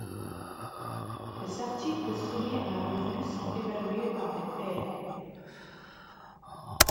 Les articles soumis à la revue sont évalués par des pairs.